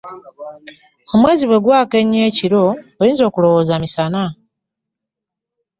Omwezi bwe gwaka ennyo ekiro oyinza okulowooza misana.